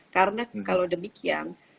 karena kalau demikian